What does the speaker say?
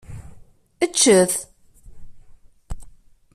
Eččet!